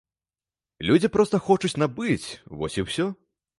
Людзі проста хочуць набыць, вось і ўсё.